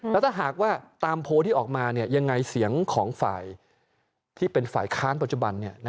แล้วถ้าหากว่าตามโพลที่ออกมายังไงเสียงของฝ่ายที่เป็นฝ่ายค้านปัจจุบัน